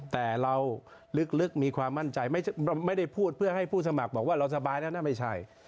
แต่เราลึกมีความมั่นใจไม่ได้พูดเพื่อให้ผู้สมัครบอกว่าเราสบายแล้วนะไม่ใช่